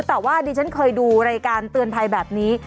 แต่ว่าอันนี้ฉันเกิดดูรายการเตือนภัยแบบนี้